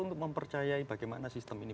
untuk mempercayai bagaimana sistem ini